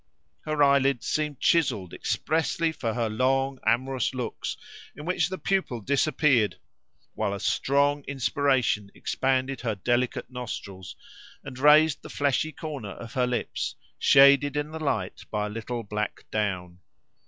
Her eyelids seemed chiselled expressly for her long amorous looks in which the pupil disappeared, while a strong inspiration expanded her delicate nostrils and raised the fleshy corner of her lips, shaded in the light by a little black down.